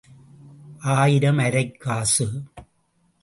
ஆயிரம் அரைக் காசு.